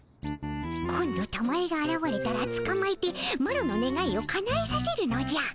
今度たまえがあらわれたらつかまえてマロのねがいをかなえさせるのじゃ。